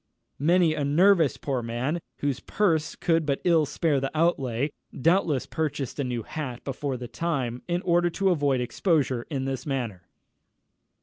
_" Many a nervous poor man, whose purse could but ill spare the outlay, doubtless purchased a new hat before the time, in order to avoid exposure in this manner.